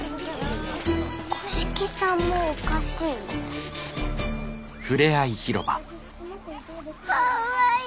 五色さんもおかしい？かわいい。